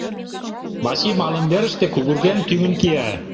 Вачи малымверыште кугырген, тӱҥын кия.